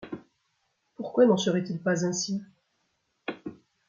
Pourquoi n’en serait-il pas ainsi ?